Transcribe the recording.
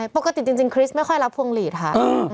ปกติจริงคริสต์ไม่ค่อยรับพวงหลีดค่ะ